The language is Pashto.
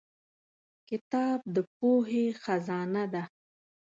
کتاب د پوهې خزانه ده.